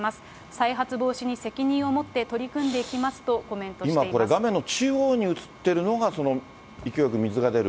再発防止に責任を持って取り組んでいきますと、コメントしていま今これ、画面の中央に映っているのが、その勢いよく水が出る。